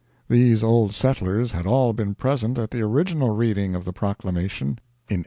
These Old Settlers had all been present at the original Reading of the Proclamation, in 1836.